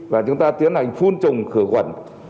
và chúng ta tiến hành phun trùng khử quẩn